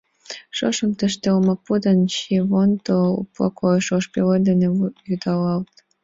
Шошым тыште олмапу ден чиевондо лумла койшо ош пеледыш дене вӱдылалтыт.